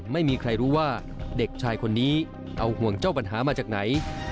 ไม่มีใครรู้ว่าเด็กชายคนนี้เอาห่วงเจ้าปัญหามาจากไหน